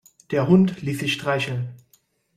Der Hund ließ sich streicheln.